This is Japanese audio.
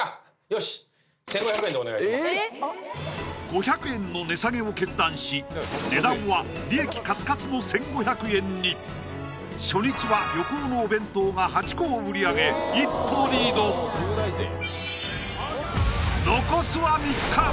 よし５００円の値下げを決断し値段は利益カツカツの１５００円に初日は横尾のお弁当が８個を売り上げ一歩リード残すは３日！